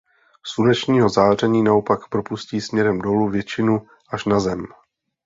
Slunečního záření naopak propustí směrem dolů většinu až na zem.